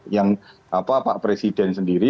yang pak presiden sendiri